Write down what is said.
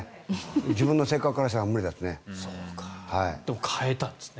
自分の性格からしたら無理ですね。